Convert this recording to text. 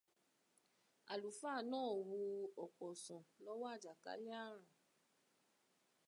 Àlùfáà náà wo ọ̀pọ̀ sàn lọ́wọ́ àjàkálẹ̀ àrùn.